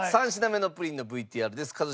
３品目のプリンのＶＴＲです。